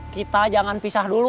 kita jangan pisah dulu